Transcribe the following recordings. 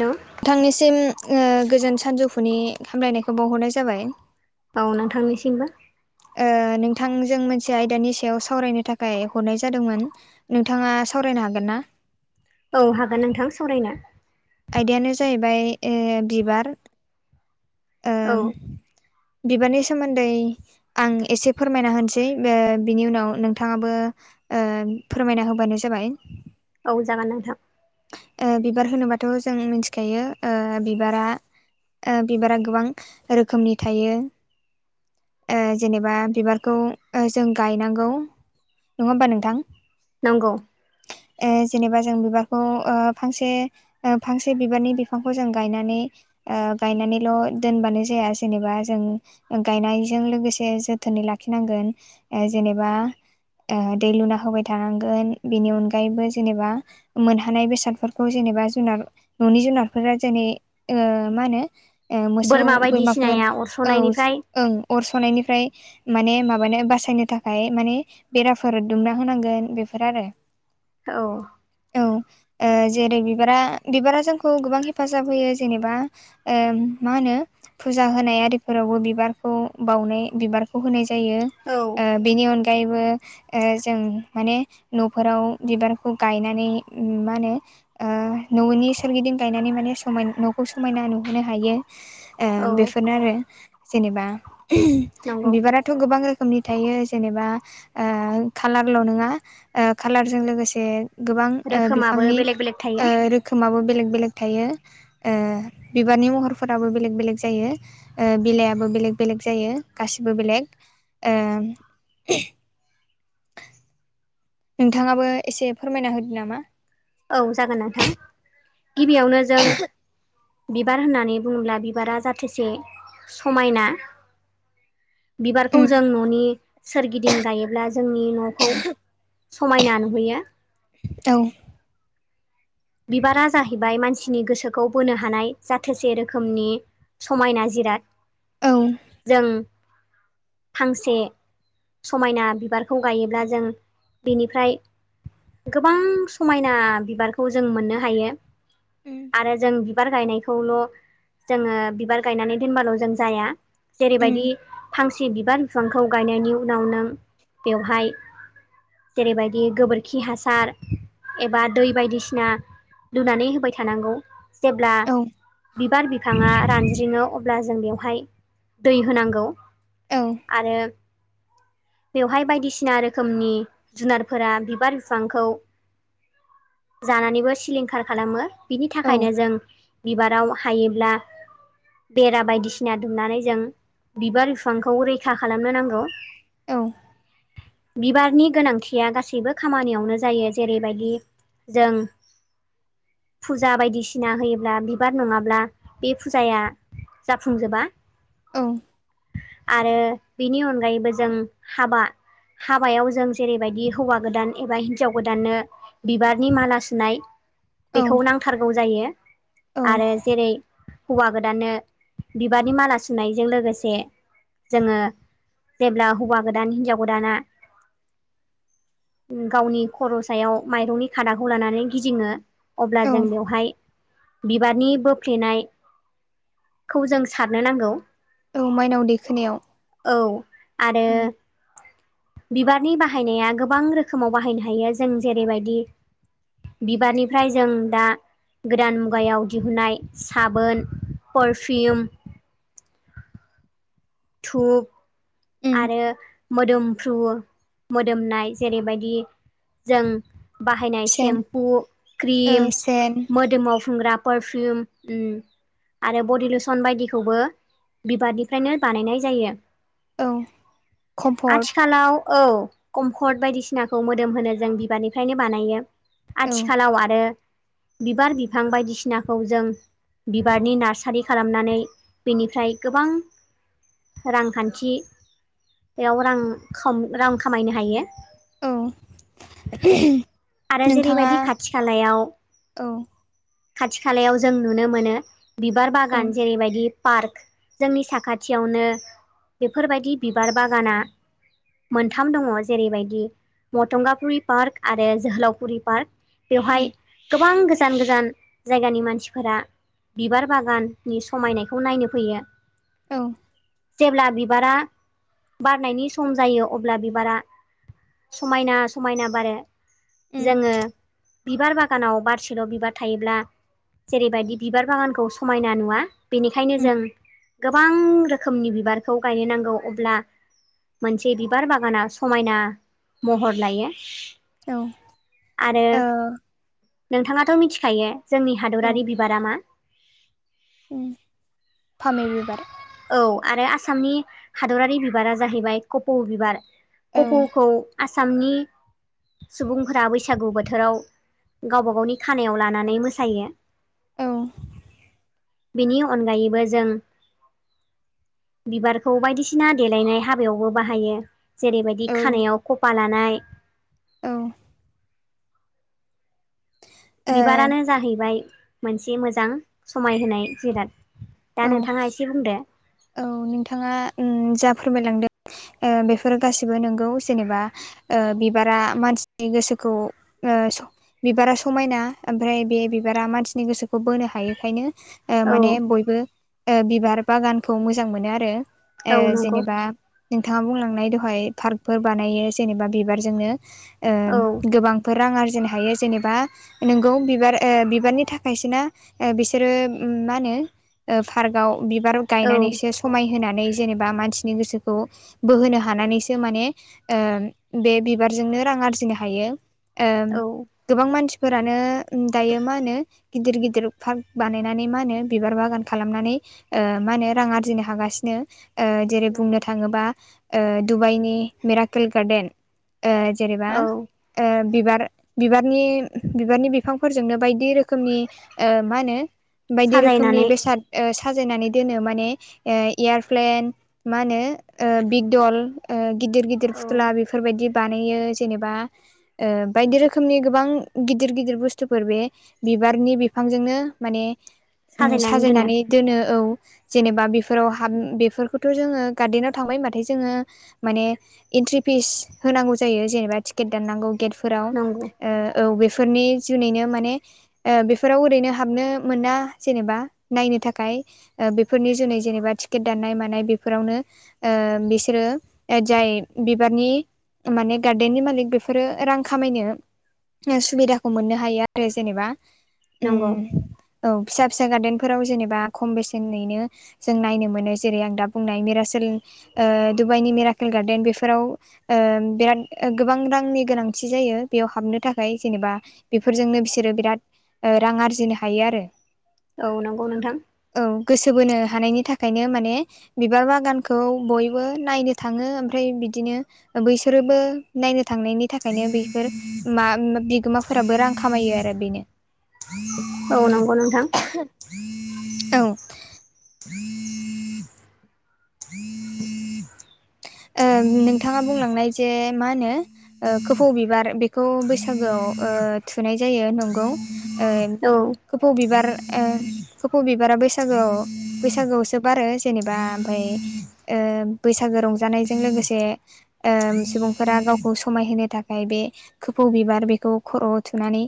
हेल' [unintelligible] नोंथांनिसिम ओ गोजोन सानजौफुनि हामलायनायखौ बावहरनाय जाबाय। औ नोंथांनिसिबो। ओ नोंथांजों मोनसे आयदानि सायाव सावरायनो थाखाय हरनाय जादोंमोन। नोंथाङा सावरायनो हागोनना? औ हागोन नोंथां सावरायनो। आयदायानो जाहैबाय ओ बिबार। ओ औ बिबारनि सोमोनदै आं एसे फोरमायना होनोसै बो बिनि उनाव नोंथाङाबो ओ फोरमायना होबानो जाबाय। औ जागोन नोंथां। ओ बिबार होनोबाथ' जों मिथिखायो ओ बिबारा ओ बिबारा गोबां रोखोमनि थायो। ओ जेनेबा बिबारखौ ओ जों गायनांगौ। नङा ओमबा नोंथां? नंगौ ओ जेनेबा जों बिबार खौ ओ फांसे ओ फांसे बिबारनि बिफांखौ जों गायनानै ओ गायनानैल' दोनबानो जाया जेनेबा जों ओ गायनायजों लोगोसे जोथोनै लाखिनांगोन ओ जेनेबा ओ दै लुना होबाय थानांगोन बेनि अनगायैबो जेनेबा मोनहानाय बेसादफोरखौ जेनेबा जुनार न'नि जुनारफोरा जेने ओ मा होनो ओ मोसौ बोरमा बोरमाफोर बायदिसिनाया औ अरस'नायनिफ्राय ओं अर सावनायनिफ्राय माने माबानो बासायनो थाखाय माने बेराफोर दुमना होनांगोन बेफोर आरो। औ औ ओ जेरै बिबारा बिबारा जोंखौ गोबां हेफाजाब होयो जेनेबा ओ मा होनो फुजा होनाय आरिफोरावबो बिबारखौ बावनाय बिबार खौ होनाय जायो औ ओ बेनि अनगायैबो ओ जों माने न'फोराव बिबारखौ गायना नै मा होनो ओ न'नि सोरगिदिं गायनानै माने समायना न'खौ समायना नुहोनो हायो। ओ औ बेफोरनो आरो जेनेबा नंगौ बिबारा थ' गोबां रोखोमनि थायो जेनेबा ओ खालारल' नङा ओ खालारजों लोगोसे गोबां ओ रोखोमाबो बिफांनि बेलेग बेलेग थायो ओ रोखोमाबो बेलेग बेलेग थायो। ओ बिबारनि महरफोराबो बेलेग बेलेग जायो। ओ बिलाइयाबो बेलेग बेलेग जायो गासिबो बेलेग ओ नोंथाङाबो एसे फोरमायना होदो नामा? औ जागोन नोंथां गिबियावनो जों बिबार होननानै बुङोब्ला बिबारा जाथेसे समायना बिबारखौ उम जों न'नि सोरगिदिं गायोब्ला जोंनि न'खौ समायना नुहैयो औ बिबारा जाहैबाय मानसिनि गोसोखौ बोनो हानाय जाथोसे रोखोमनि समायना औ जिराद जों फांसे समायना बिबारखौ गायोब्ला जों बिनिफ्राय गोबां समायना बिबारखौ जों मोननो हायो उम आरो जों बिबार गायनायखौल' जोङो बिबार गायनानै दोनबाल' जों जाया उम जेरैबायदि फांसे बिबार बिफांखौ गायनायनि उनाव नों बेवहाय जेरैबायदि गोबोरखि हासार एबा दै बायदिसिना ना लुनानै होबाय थानांगौ जेब्ला औ बिबार बिफाङा रानज्रिङो अब्ला जों बेवहाय दै होनांगौ औ आरो बेवहाय बायदिसिना रोखोमनि जुनारफोरा बिबार बिफांखौ जानानैबो सिलिंखार खालामो बिनि औ थाखायनो जों बिबाराव हायोब्ला बेरा बायदिसिना दुमनानै जों बिबार बिफांखौ रैखा खालामनो नांगौ औ बिबारनि गोनांथिया गासैबो खामानियावनो जायो जेरैबायदि जों फुजा बायदिसिना होयोब्ला बिबार नङाब्ला बे फुजाया जाफुंजोबा आरो बिनि अनगायैबो जों हाबा हाबायाव जों जेरैबायदि हौवा गोदान एबा हिन्जाव गोदाननो बिबारनि माला सुनाय औ बेखौ नांथारगौ जायो औ आरो जेरै हौवा गोदाननो बिबारनि माला सुनायजों लोगोसे जोङो जेब्ला हौवा गोदान हिनजाव गोदाना गावनि खर' सायाव माइरंनि खादाखौ लानानै गिदिङो अब्ला औ जों बेवहाय बिबारनि बोफ्लेनायखौ जों सारनो नांगौ औ माइनाव दैखोनायाव औ आरो उम बिबारनि बाहायनाया गोबां रोखोमाव बाहायनो हायो जों जेरैबायदि बिबारनिफ्राय जों दा गोदान मुगायाव दिहुननाय साबोन पारफिउम धुप उम आरो मोदोमफ्रु मोदोमनाय जेरैबायदि जों बाहायनाय सेन सेम्पु ओ क्रिम सेन मोदोमाव फुनग्रा पारफिउम आरो बडि लसन बायदिखौबो बिबारनिफ्रायनो बानायनाय जायो औ कम्फर्ट आथिखालाव औ कमफर्ट बायदिसिनाखौ मोदोम होनो जों बिबारनिफ्रायनो बानायो औ आथिखालाव आरो बिबार बिफां बायदिसिनाखौ जों बिबारनि नार्सारि खालामनानै बिनिफ्राय गोबां रांखान्थियाव रां रां खामायनो हायो औ आरो नोंथाङा जेरैबायदि खाथि खालायाव औ खाथि खालायाव जों नुनो मोनो बिबार औ बागान जेरैबायदि पार्क जोंनि साखा थियावनो बेफोरबायदि बिबार बागाना मोनथाम उम दङ जेरैबायदि मथंगाफुरि पार्क आरो जोहोलावफुरि पार्क बेवहाय गोबां गोसो गोजान गोजान जायगानि मानसिफोरा बिबार बागाननि समायनायखौ नायनो फैयो औ जेब्ला बिबारा बारनायनि सम जायो अब्ला बिबारा समायना समायना बारो उम जोङो बिबार बागानाव बारसेल' बिबार थायोब्ला जेरैबायदि बिबार बागानखौ समायना नुवा बेनिखायनो उम जों गोबां रोखोमनि बिबारखौ गायनो नांगौ अब्ला मोनसे बिबार बागाना समायना महर लायो औ आरो ओ नोंथाङाथ' मिथिखायो जोंनि हादरारि बिबारा मा फामे बिबार औ आरो आसामनि हादरारि बिबारा जाहैबाय कपौ' बिबार औ कपौखौ आसामनि सुबुंफोरा बैसागु बोथोराव गावबा गावनि खानायाव लानानै मोसायो औ बेनि अनगायैबो जों बिबारखौ बायदिसिना देलायनाय हाबायावबो बाहायो जेरैबायदि औ खानायाव खफा लानाय औ बिबारानो औ जाहैबाय मोनसे मोजां समायहोनाय जिराद दा नोंथाङा एसे बुंदो औ नोंथाङा उम जा फोरमायलांदों बेफोर गासिबो नंगौ जेनेबा ओ बिबारा मानसिनि गोसोखौ ओ बिबारा समायना ओमफ्राय बे बिबारा मानसिनि गोसोखौ बोनो हायोखायनो ओ औ माने बयबो ओ बिबार बागानखौ मोजां मोनो आरो ओ औ नंगौ जेनेबा नोंथाङा बुंलांनाय दहाय पार्कफोर बानायो जेनेबा बिबारजोंनो ओ औ गोबां फोर रां आरजिनो हायो जेनेबा ओ नोंगौ बिबार ओ बिबारनि थाखायसो ना ओ बिसोरो उम मा होनो ओ पार्काव बिबार औ गायनानैसो स समायहोनानै जेनेबा मानसिनि गोसोखौ बोहोनो हानानैसो माने ओ बे बिबारजोंनो रां आरजिनो हायो ओ औ गोबां मानसिफोरानो दायो मा होनो गिदिर गिदिर पार्क बानायनानै मा होनो बिबार बागान खालामनानै ओ मा होनो रां आरजिनो हागासिनो ओ जेरै नंगौ बुंनो थाङोबा ओ डुबाइनि मेराकेल गार्डेन ओ जेनेबा औ बिबार बिबारनि बिबारनि बिफांफोरजोंनो बायदि रोखोमनि मा होनो बायदि रोखोमनि साजायनानै बेसाद साजायनानै दोनो माने ओ एयारप्लेन मा होनो ओ बिगदल ओ गिदिर गिदिर औ फुथ्ला बेफोर बायदि बानायो जेनेबा ओ बायदि रोखोमनि गोबां गिदिर गिदिर बुस्थुफोर बे बिबारनि बिफांजोंनो माने उम साजायनानै दोनो औ जेनेबा बेफोराव हाब बेफोरखौथ' जोङो गार्देनाव थांबाय होनबाथाय जोङो माने एन्ट्रि फिस होनांगौ जायो जेनेबा टिकेट दाननांगौ गेटफोराव नंगौ ओ औ बेफोरनि जुनैनो माने ओ बेफोराव ओरैनो हाबनो मोना जेनेबा नायनो थाखाय ओ बेफोरनि जुनै जेनेबा टिकेट दाननाय मानाय बेफोरावनो ओ बिसोरो ओ जाय बिबारनि माने गार्देननि मालिक बेफोरो रां खामायनो ओ सुबिदाखौ मोननो हायो आरो जेनेबा नंगौ उम औ फिसा फिसा गार्देनफोराव जेनेबा खम बेसेनैनो जों नायनो मोनो जेरै आं दा बुंनाय मिरासेल ओ डुबाइनि मिराकेल गार्डेन बेफोराव ओ बिराद गोबां रांनि गोनांथि जायो बेयाव हाबनो थाखाय जेनेबा बेफोरजोंनो बिसोरो बिराद ओ रां आरजिनो हायो आरो औ नंगौ नोंथां औ गोसो बोनो हानायनि थाखायनो माने बिबार बागानखौ बयबो नायनो थाङो ओमफ्राय बिदिनो ओ बैसोरोबो नायनो थांनायनि था खायनो बेफोर मा उम बिगोमाफोराबो रां खामायो आरो बेनो औ नंगौ नोंथां औ ओ नोंथाङा बुंलांनाय जे मा होनो ओ खोफौ बिबार बेखौ बैसागोआव ओ थुनाय जायो नंगौ ओ औ खोफौ बिबार ओ खोफौ बिबारा बैसागोआव बैसागोआवसो बारो जेनेबा ओमफ्राय ओ बैसागो रंजानायजों लोगोसे ओ सुबुंफोरा गावखौ समायहोनो थाखाय बे खोफौ बिबार बेखौ खर'आव थुनानै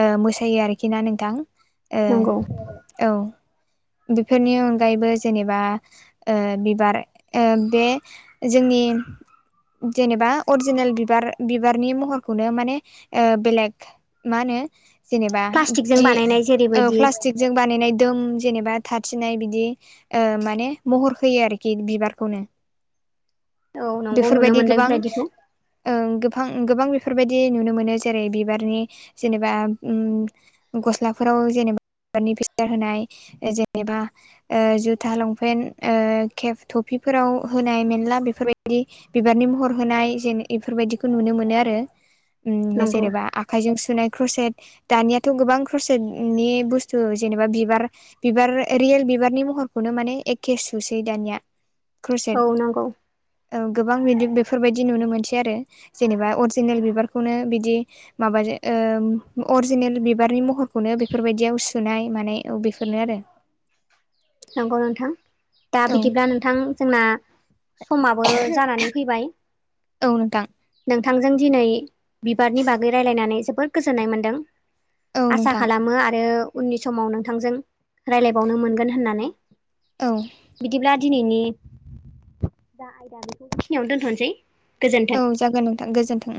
ओ मोसायो आरोखि ना नोंथां नंगौ ओ औ बेफोरनि अनगायैबो जेनेबा ओ बिबार ओ बे जोंनि जेनेबा अरिजिनेल बिबार बिबारनि महरखौनो माने ओ बेलेग मा होनो जेनेबा प्लास्टिकजों दि बानायनाय ओ जेरैबायदि प्लास्टिक जों बानायनाय दम जेनेबा थारथिनाय बिदि ओ माने महर होयो आरोखि बिबारखौनो औ नंगौ नुनो बेफोरबायदि मोनदों गोबां बेफोरबायदिखौ गोबां गोबां बेफोरबायदि नुनो मोनो जेरै बिबारनि जेनेबा उम गस्लाफोराव जेनेबा बिबारनि फिस्कार होनाय जेनेबा ओ जुथा लंपेन्ट ओ केब तफिफोराव होनाय मेल ला बेफोरबायदि बिबारनि महर होनाय जेन बेफोरबायदिखौ नुनो मोनो आरो उम नंगौ जेनेबा आखाइजों सुनाय क्रसेट दानियाथ' गोबां ख्रसेटनि बुस्थु जेनेबा बिबार बिबार रियेल बिबारनि महरखौनो माने एखे सुसै दानिया औ नंगौ औ गोबां बिदि बेफोरबायदि नुनो मोनसै आरो जेनेबा अरिजिनेल बिबारखौनो बिदि माबाजों ओ अरिजिनेल बिबारनि महरखौनो बेफोरबायदियाव सुनाय मानाय बेफोरनो आरो नंगौ नोंथां दा औ बिदिब्ला नोंथां जोंना समाबो जानानै फैबाय औ नोंथां नोंथांजों दिनै बिबारनि बागै रायज्लायनानै जोबोद गोजोननाय मोन्दों औ आसा नोंथां खालामो आरो उननि समाव नोंथांजों राय्लायबावनो मोनगोन होननानै औ बिदिब्ला दिनैनि जा आयदा बेखौ बे खिनियावनो दोनथ'नोसै गोजोन औ जागोन नोंथां गोजोन्थों